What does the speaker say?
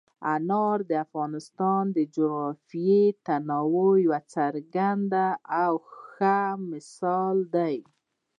انار د افغانستان د جغرافیوي تنوع یو څرګند او ښه مثال دی.